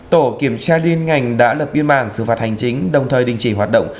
tổ kiểm tra liên ngành đã lập biên bản xử phạt hành chính đồng thời đình chỉ hoạt động